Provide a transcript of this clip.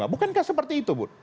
bukankah seperti itu bu